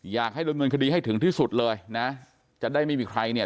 อยากให้ดำเนินคดีให้ถึงที่สุดเลยนะจะได้ไม่มีใครเนี่ย